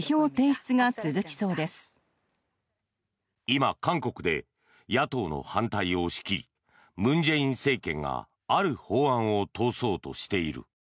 今韓国で野党の反対を押し切り文在寅政権がある法案を通そうとしている。